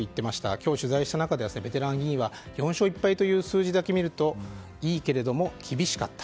今日、取材した中でベテラン議員は４勝１敗という数字だけ見るといいけれども厳しかった。